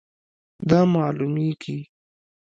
دا معلومیږي